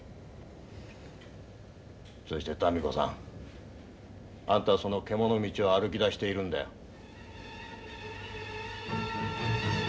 そして民子さん。あんたはそのけものみちを歩きだしているんだよ。